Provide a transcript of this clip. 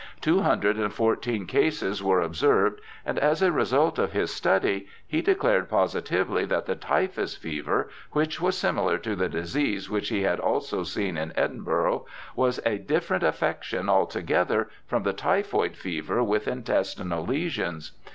Two hundred and fourteen cases were observed, and as a result of his study he declared positively that the typhus fever, which was similar to the disease which he had also seen in Edinburgh, was a different affection altogether from the typhoid fever with intestinal lesions.